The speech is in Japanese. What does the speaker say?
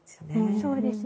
そうですね。